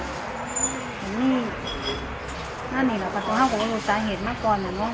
บ่มี่นั่นเองแหละค่ะต้องให้บ่มี่รู้สาเหตุมากก่อนเนี่ยเนอะ